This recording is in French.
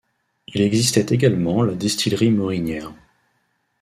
Il existait également la distillerie Morinière.